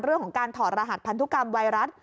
เรื่องของการถอดรหัสพันธุกรรมไวรัส